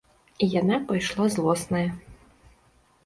І яна пайшла злосная.